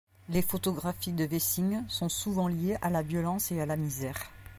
Les photographies de Wessing sont souvent liées à la violence et la misère.